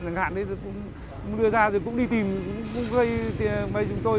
ngân hàng ấy cũng đưa ra rồi cũng đi tìm cũng gây cho chúng tôi